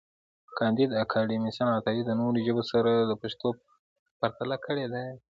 کانديد اکاډميسن عطایي د نورو ژبو سره د پښتو پرتله کړې ده.